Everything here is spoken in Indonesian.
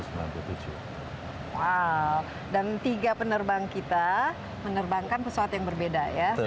wow dan tiga penerbang kita menerbangkan pesawat yang berbeda ya